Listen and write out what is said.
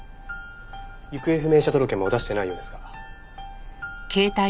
行方不明者届も出してないようですが。